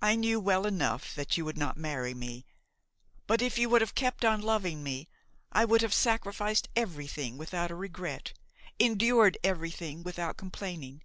I knew well enough that you would not marry me; but if you would have kept on loving me, I would have sacrificed everything without a regret, endured everything without complaining.